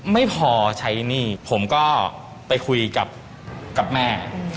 ไม่พอใช้หนี้ผมก็ไปคุยกับแม่